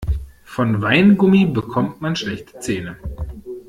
Von Weingummi bekommt man schlechte Zähne.